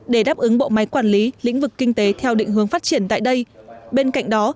để đáp ứng bộ máy quản lý lĩnh vực kinh tế theo định hướng phát triển tại đây bên cạnh đó